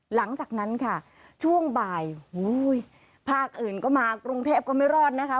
หลังจากนั้นค่ะช่วงบ่ายภาคอื่นก็มากรุงเทพก็ไม่รอดนะคะ